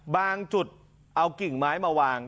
บางจุดเอากิ่งไม้มาวาง